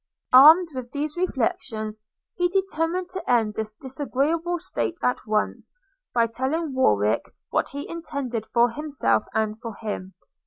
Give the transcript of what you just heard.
Armed with these reflections, he determined to end this disagreeable state at once, by telling Warwick what he intended for himself and for him.